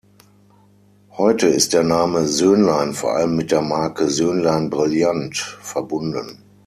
Heute ist der Name "Söhnlein" vor allem mit der Marke "Söhnlein Brillant" verbunden.